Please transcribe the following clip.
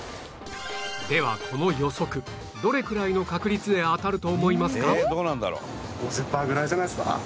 ではこの予測どれくらいの確率で当たると思いますか？